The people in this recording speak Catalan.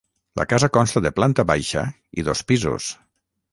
La casa consta de planta baixa i dos pisos.